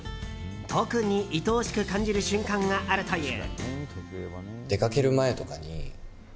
特に、いとおしく感じる瞬間があるという。